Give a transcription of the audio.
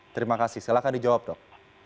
terima kasih silahkan dijawab dok